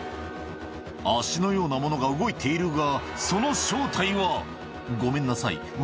足のようなものが動いているが、その正体は。